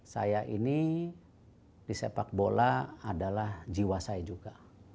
saya ini di sepak bola adalah jiwa saya juga